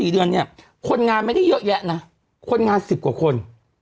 ๔เดือนเนี่ยคนงานไม่ได้เยอะแยะนะคนงาน๑๐กว่าคน